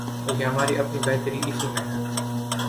بلکہ ہماری اپنی بہتری اسی میں ہے۔